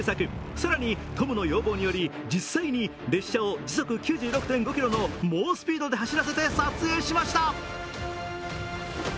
更にトムの要望により実際に列車の時速９６．５キロの猛スピードで走らせて撮影しました。